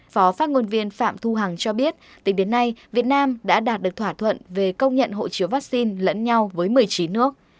phó phát ngôn viên phạm thu hằng cho biết tính đến nay việt nam đã đạt được thỏa thuận về công nhận hộ chiếu vaccine lẫn nhau với một mươi chín nước